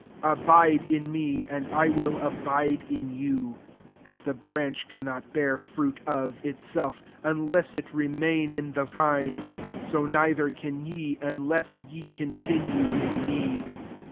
4 Abide in me ; and I will abide in you. As the branch can not bear fruit of itself, unless it remain in the vine; so neither can ye, unless ye continue in me.